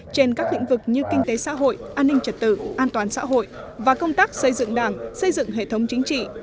trên các lĩnh vực như kinh tế xã hội an ninh trật tự an toàn xã hội và công tác xây dựng đảng xây dựng hệ thống chính trị